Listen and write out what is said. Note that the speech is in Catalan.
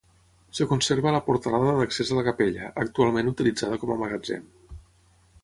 Es conserva la portalada d'accés a la capella, actualment utilitzada com a magatzem.